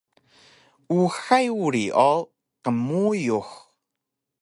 uxay uri o qmuyux